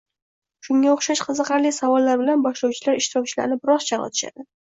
Shunga o’xshash qiziqarli savollar bilan boshlovchilar ishtirokchilarni biroz chalg’itishadi.